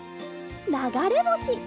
ながれぼし！